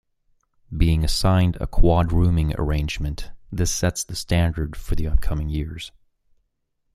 Being assigned a quad rooming arrangement, this sets the standard for the upcoming years.